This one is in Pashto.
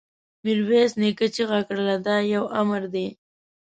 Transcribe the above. ميرويس نيکه چيغه کړه! دا يو امر دی!